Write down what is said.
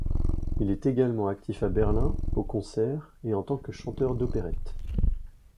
Il est également actif à Berlin, au concert et en tant que chanteur d'opérette.